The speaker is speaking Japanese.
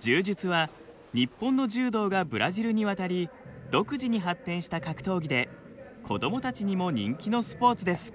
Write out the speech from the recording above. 柔術は日本の柔道がブラジルに渡り独自に発展した格闘技で子どもたちにも人気のスポーツです。